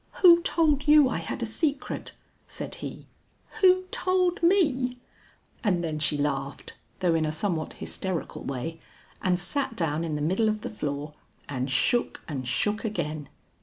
"Who told you I had a secret?" said he. "Who told me?" and then she laughed, though in a somewhat hysterical way, and sat down in the middle of the floor and shook and shook again.